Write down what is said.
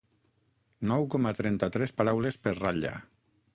Nou coma trenta-tres paraules per ratlla.